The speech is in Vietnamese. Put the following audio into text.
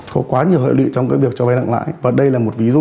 có quá nhiều hợp lý trong việc cho vai lãi nặng và đây là một ví dụ